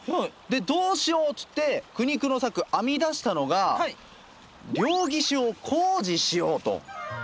どうしようっつって苦肉の策編み出したのが両岸を工事しようと。